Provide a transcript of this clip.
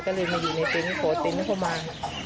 ก็เลยมาอยู่ในเตนิคโฟตเตนิคโฟมา